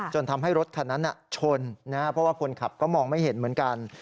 จนทำให้รถคันนั้นชนเพราะว่าคนขับก็มองไม่เห็นเหมือนกัน